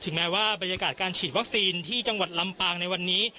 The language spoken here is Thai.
แม้ว่าบรรยากาศการฉีดวัคซีนที่จังหวัดลำปางในวันนี้